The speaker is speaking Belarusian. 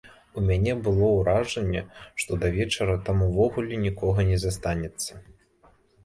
У мяне было ўражанне, што да вечара там ўвогуле нікога не застанецца.